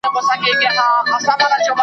د ښار خلکو وو سل ځله آزمېیلی .